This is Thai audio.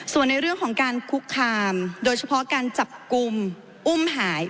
ส่วนในเรื่องของการคุกคามโดยเฉพาะการจับกลุ่มอุ้มหาย